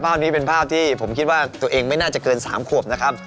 ภาพนี้เป็นภาพที่ผมคิดว่าตัวเองไม่น่าจะเกิน๓ขวบนะครับ